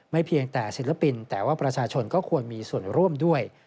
เพียงแต่ศิลปินแต่ว่าประชาชนก็ควรมีส่วนร่วมด้วย